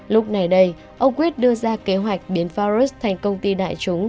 lúc này đây ông quyết đưa ra kế hoạch biến fares thành công ty đại chúng